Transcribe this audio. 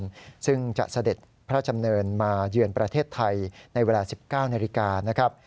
จากภูทานซึ่งจะเสด็จพระจำเนินมาเยือนประเทศไทยในเวลา๑๙นาฬิกา